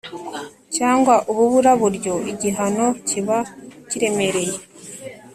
Cyangwa ububuraburyo igihano kiba kiremereye